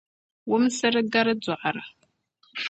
Wumsir’ gari dɔɣira.